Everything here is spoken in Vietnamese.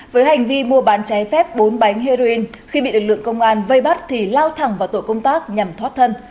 với hành vi mua bán trái phép bốn bánh heroin khi bị lực lượng công an vây bắt thì lao thẳng vào tổ công tác nhằm thoát thân